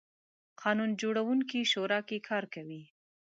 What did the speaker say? قانون جوړوونکې شورا کې کار کوي.